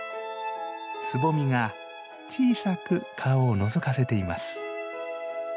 つぼみが小さく顔をのぞかせています。